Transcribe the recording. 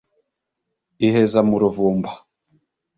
iheza mu ruvumba